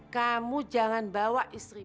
kamu jangan bawa istri